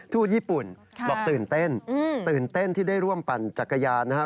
ทูตญี่ปุ่นบอกตื่นเต้นตื่นเต้นที่ได้ร่วมปั่นจักรยานนะครับ